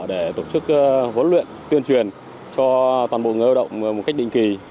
để tổ chức huấn luyện tuyên truyền cho toàn bộ người lao động một cách định kỳ